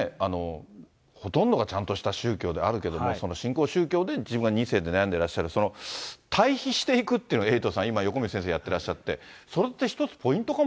ほとんどがちゃんとした宗教であるけれども、その新興宗教で自分は２世で悩んでらっしゃる、対比していくっていうのは、エイトさん、今、横道先生やってらっしゃって、それって一つ、ポイン